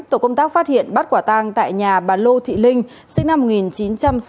tổ công tác phát hiện bắt quả tang tại nhà bà lô thị linh sinh năm một nghìn chín trăm sáu mươi